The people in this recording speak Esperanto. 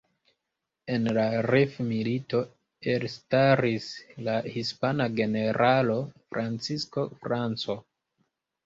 En la rif-milito elstaris la hispana generalo Francisco Franco.